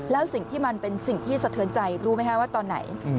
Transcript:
แล้วสิ่งที่มันเป็นสิ่งที่สะเทือนใจรู้ไหมคะว่าตอนไหน